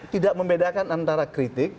tidak membedakan antara kritik